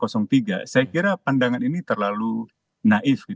saya kira pandangan ini terlalu naif